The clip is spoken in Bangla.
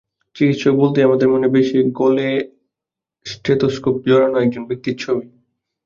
চিকিৎসক বলতেই আমাদের মনে ভেসে ওঠে গলায় স্টেথোস্কোপ জড়ানো একজন ব্যক্তির ছবি।